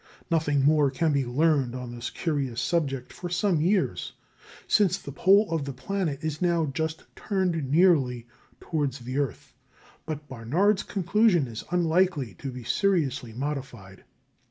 Nothing more can be learned on this curious subject for some years, since the pole of the planet is just now turned nearly towards the earth; but Barnard's conclusion is unlikely to be seriously modified.